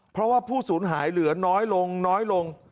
เพราะว่าผู้สูญหายเหลือน้อยลงน้อยลง